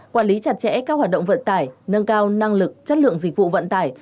quản lý chặt chẽ các hoạt động vận tải nâng cao năng lực chất lượng dịch vụ vận tải